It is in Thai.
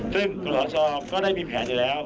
ซึ่งคุณหลอดชอบก็ได้มีแผนอยู่แล้ว